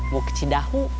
mau keci dahu